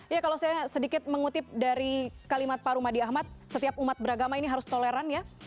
ya kalau saya sedikit mengutip dari kalimat pak rumadi ahmad setiap umat beragama ini harus toleran ya